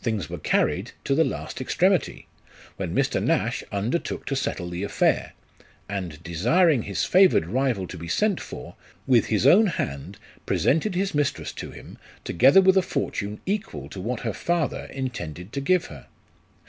Things were carried to the last extremity, when Mr. Nash undertook to settle the affair ; and desiring his favoured rival to be sent for, with his own hand presented his mistress to him, together with a fortune equal to what her father intended to give her.